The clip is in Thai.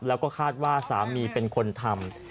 แล้วก็คาดว่าสามีเป็นคนทำ